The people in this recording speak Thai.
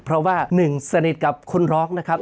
เพราะว่าหนึ่งสนิทกับคนร้องนะครับ